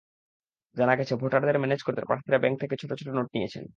জানা গেছে, ভোটারদের ম্যানেজ করতে প্রার্থীরা ব্যাংক থেকে ছোট ছোট নোট নিয়েছেন।